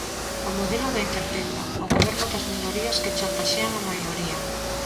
O modelo da incerteza, o goberno das minorías que chantaxean a maioría.